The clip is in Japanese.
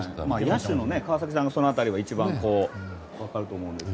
野手の川崎さんがその辺りは分かると思いますが。